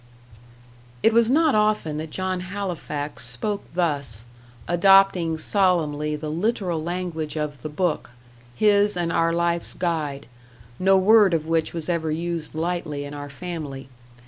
'" It was not often that John Halifax spoke thus; adopting solemnly the literal language of the Book his and our life's guide, no word of which was ever used lightly in our family.